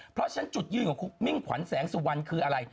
เพราะฉะนั้นจุดยืนของคุณมิ่งขวัญแสงสุวรรณคืออะไร